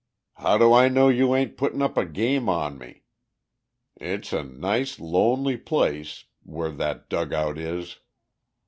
"How do I know you ain't puttin' up a game on me? It's a nice lonely place, where that dugout is."